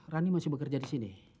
rani masih bekerja di sini